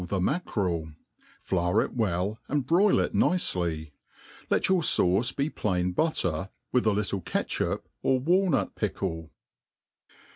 the mackerel} flour ic well, and broil it nicely. Let your fauce be plain butter, with a little catchup or walnut pickle.